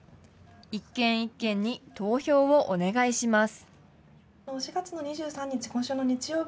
一軒一軒に投票をお願いします。